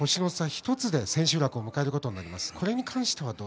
１つで千秋楽を迎えることになります。